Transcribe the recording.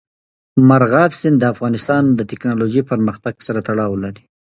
مورغاب سیند د افغانستان د تکنالوژۍ پرمختګ سره تړاو لري.